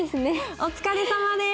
おつかれさまです！